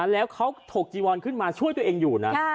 แล้วเขาถกจีวอนขึ้นมาช่วยตัวเองอยู่นะ